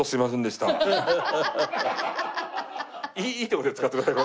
いいとこだけ使ってください。